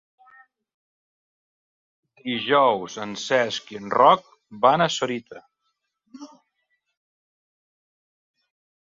Dijous en Cesc i en Roc van a Sorita.